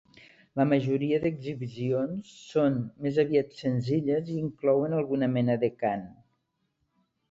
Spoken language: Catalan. La majoria d'exhibicions són més aviat senzilles i inclouen alguna mena de cant.